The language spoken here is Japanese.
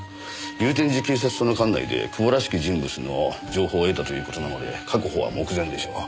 祐天寺警察署の管内で久保らしき人物の情報を得たという事なので確保は目前でしょう。